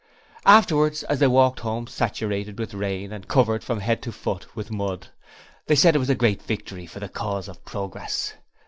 Afterwards as they walked home saturated with rain and covered from head to foot with mud, they said it was a great victory for the cause of progress!